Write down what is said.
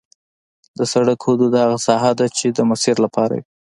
د سرک حدود هغه ساحه ده چې د مسیر لپاره وي